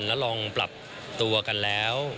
แล้วลองปรับตัวกันแล้ว